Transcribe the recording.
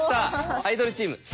アイドルチーム「３」。